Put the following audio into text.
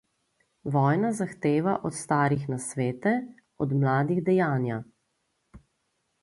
Vojna zahteva od starih nasvete, od mladih dejanja.